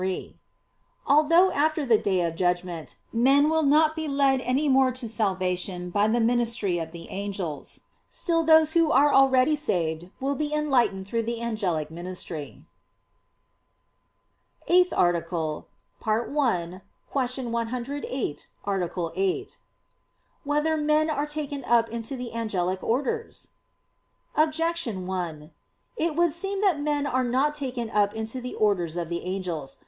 3: Although after the Day of Judgment men will not be led any more to salvation by the ministry of the angels, still those who are already saved will be enlightened through the angelic ministry. _______________________ EIGHTH ARTICLE [I, Q. 108, Art. 8] Whether Men Are Taken Up into the Angelic Orders? Objection 1: It would seem that men are not taken up into the orders of the angels.